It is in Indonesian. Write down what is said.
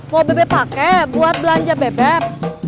mau bebek pakai buat belanja bebek